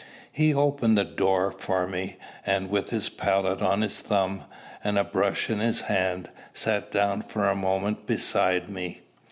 He opened the door for me, and, with his palette on his thumb, and a brush in his hand, sat down for a moment beside me.